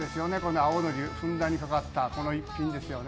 青のりがふんだんにかかった一品ですよね。